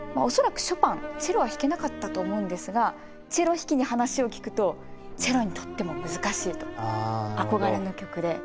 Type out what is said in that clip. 恐らくショパンチェロは弾けなかったと思うんですがチェロ弾きに話を聞くとチェロにとっても難しいと憧れの曲で。